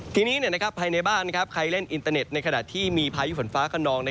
ทีนี้ภายในบ้านใครเล่นอินเตอร์เน็ตในขณะที่มีพายุฝนฟ้าขนอง